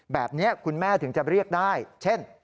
แบบนี้คุณแม่ถึงจะเรียกได้เช่น